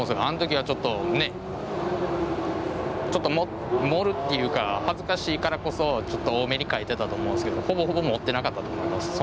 あん時はちょっとねちょっと盛るっていうか恥ずかしいからこそちょっと多めに書いてたと思うんすけどほぼほぼ持ってなかったと思います。